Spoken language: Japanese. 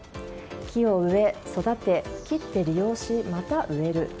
木を植え、育て、伐って利用しまた植える。